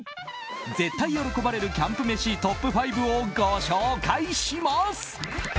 絶対喜ばれるキャンプ飯トップ５をご紹介します。